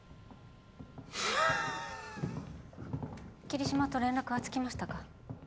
桐島と連絡はつきましたか？